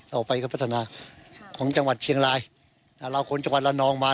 ออกไปก็พัฒนาของจังหวัดเชียงรายถ้าเราคนจังหวัดละนองมา